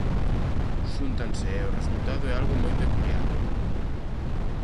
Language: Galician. Xúntanse e o resultado é algo moi peculiar.